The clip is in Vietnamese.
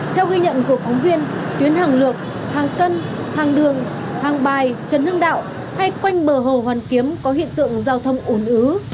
theo ghi nhận của phóng viên tuyến hàng lược hàng cân hàng đường hàng bài trần hương đạo hay quanh bờ hồ hoàn kiếm có hiện tượng giao thông ủn ứ